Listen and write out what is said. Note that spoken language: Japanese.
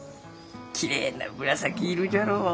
きれいな紫色じゃろう？